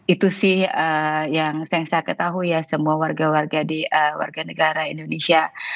itu sih yang saya ketahui ya semua warga warga negara indonesia